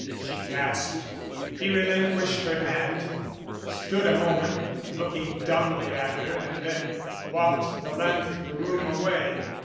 she gasped. He relinquished her hand stood a moment looking dumbly at her and then walked the length of the room away.